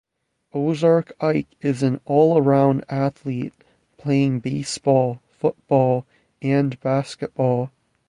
Ozark Ike is an all-around athlete, playing baseball, football and basketball.